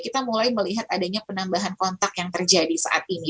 kita mulai melihat adanya penambahan kontak yang terjadi saat ini